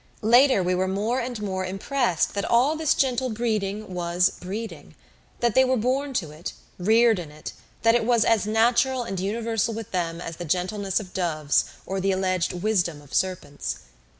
Later we were more and more impressed that all this gentle breeding was breeding; that they were born to it, reared in it, that it was as natural and universal with them as the gentleness of doves or the alleged wisdom of serpents.